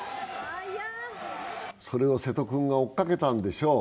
それを瀬戸君が追っかけたんでしょう。